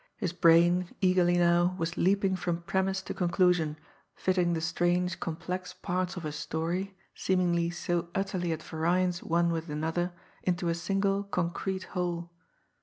His brain, eagerly now, was leaping from premise to conclusion, fitting the strange, complex parts of her story, seemingly so utterly at variance one with another, into a single, concrete whole.